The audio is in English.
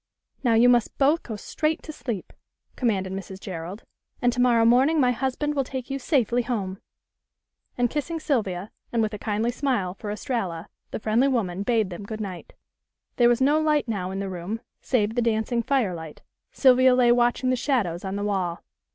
"Now you must both go straight to sleep," commanded Mrs. Gerald, "and to morrow morning my husband will take you safely home," and kissing Sylvia, and with a kindly smile for Estralla, the friendly woman bade them good night. There was no light now in the room save the dancing firelight, Sylvia lay watching the shadows on the wall.